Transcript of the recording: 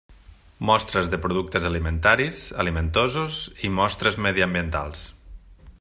Mostres de productes alimentaris, alimentosos i mostres mediambientals.